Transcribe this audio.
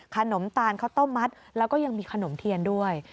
ตาลข้าวต้มมัดแล้วก็ยังมีขนมเทียนด้วย